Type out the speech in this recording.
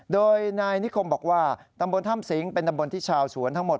โดยนายนิคมบอกว่าตำบลถ้ำสิงเป็นตำบลที่ชาวสวนทั้งหมด